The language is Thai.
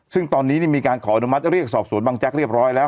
ซึ่งตอนนี้มีการขออนุมัติเรียกสอบสวนบังแจ๊กเรียบร้อยแล้ว